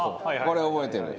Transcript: これ覚えてる。